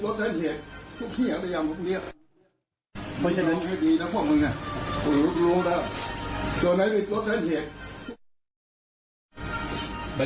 บัญชีแพทย์หมดแล้วครับ